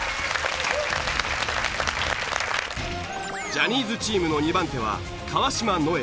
ジャニーズチームの２番手は川島如恵